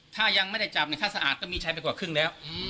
ถ้ายังไม่ได้จับค่าสะอาดก็มีชัยไปกว่าครึ่งแล้ว